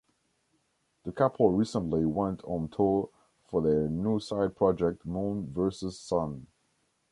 The couple recently went on tour for their new side project Moon Versus Sun.